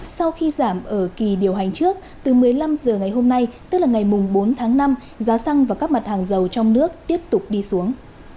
sau khi giảm ở kỳ điều hành trước từ một mươi năm h ngày hôm nay tức là ngày bốn tháng năm giá xăng và các mặt hàng dầu trong nước tiếp tục đi xuống